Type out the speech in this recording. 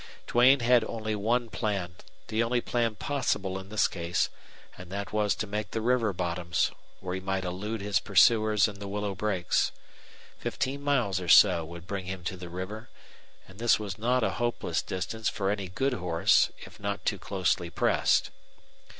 Duane had only one plan the only plan possible in this case and that was to make the river bottoms, where he might elude his pursuers in the willow brakes. Fifteen miles or so would bring him to the river, and this was not a hopeless distance for any good horse if not too closely pressed.